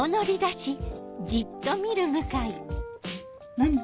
何？